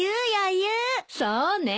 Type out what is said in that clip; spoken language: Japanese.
そうね。